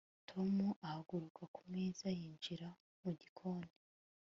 Tom ahaguruka ku meza yinjira mu gikoni